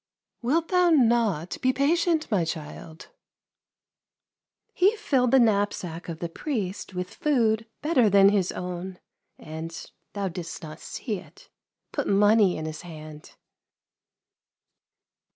" Wilt thou not be patient, my child !"" He filled the knapsack of the priest with food better than his own, and — thou didst not see it — put money in his hand."